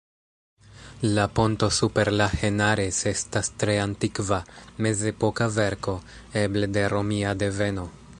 La ponto super la Henares estas tre antikva, mezepoka verko, eble de romia deveno.